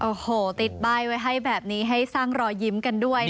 โอ้โหติดป้ายไว้ให้แบบนี้ให้สร้างรอยยิ้มกันด้วย